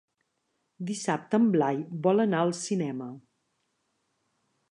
Dissabte en Blai vol anar al cinema.